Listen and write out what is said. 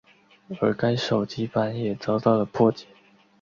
而该手机版也遭到了破解。